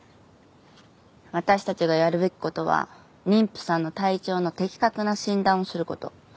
私たちがやるべき事は妊婦さんの体調の的確な診断をする事。